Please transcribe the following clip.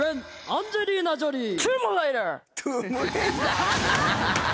アンジェリーナ・ジョリー。